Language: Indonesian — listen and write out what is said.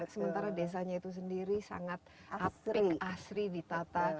sementara desanya itu sendiri sangat asri ditata